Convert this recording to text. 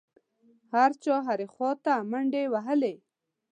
هر چا هرې خوا ته منډې وهلې.